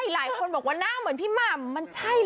หน้าเหมือนพี่ม่ำ